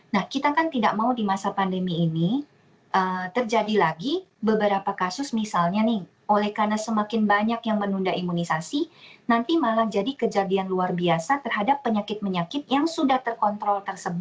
nah kita kan tidak mau di masa pandemi ini terjadi lagi beberapa kasus misalnya nih oleh karena semakin banyak yang menunda imunisasi nanti malah jadi kejadian luar biasa terhadap penyakit penyakit yang sudah terkontrol tersebut